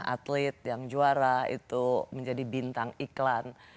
atlet yang juara itu menjadi bintang iklan